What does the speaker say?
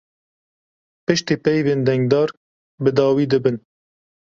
Piştî peyvên dengdar bi dawî dibin.